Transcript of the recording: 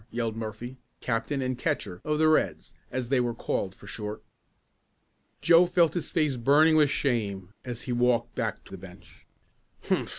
yelled Murphy, captain and catcher of the "Reds," as they were called for short. Joe felt his face burning with shame as he walked back to the bench. "Humph!